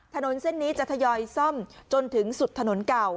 ถนนเส้นนี้จะทยอยซ่อมจนถึงสุดถนนเก่า